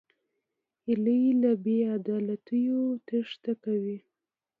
هیلۍ له بېعدالتیو تېښته کوي